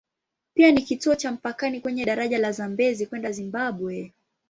Pia ni kituo cha mpakani kwenye daraja la Zambezi kwenda Zimbabwe.